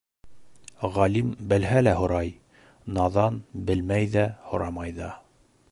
Ғалим белһә лә һорай, наҙан белмәй ҙә, һорамай ҙа.